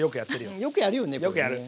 うんよくやるよね